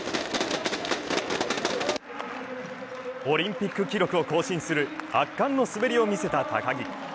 オリンピック記録を更新する圧巻の滑りを見せた高木。